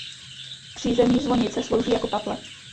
Přízemí zvonice slouží jako kaple.